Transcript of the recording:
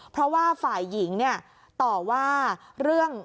เพราะว่าฝ่ายหญิงเนี่ยต่อว่าเรื่อง